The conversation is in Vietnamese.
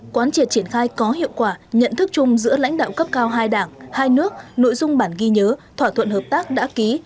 quán triệt triển khai có hiệu quả nhận thức chung giữa lãnh đạo cấp cao hai đảng hai nước nội dung bản ghi nhớ thỏa thuận hợp tác đã ký